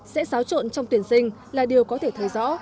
sẽ xáo trộn trong tuyển sinh là điều có thể thấy rõ